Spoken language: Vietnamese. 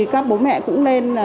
các bố mẹ cũng nên